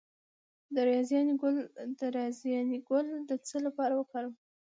د رازیانې ګل د څه لپاره وکاروم؟